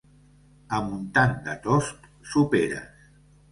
A Montan de Tost, soperes.